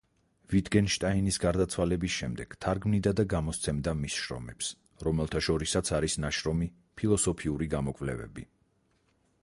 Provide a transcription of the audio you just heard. ვიტგენშტაინის გარდაცვალების შემდეგ თარგმნიდა და გამოსცემდა მის შრომებს, რომელთა შორისაც არის ნაშრომი „ფილოსოფიური გამოკვლევები“.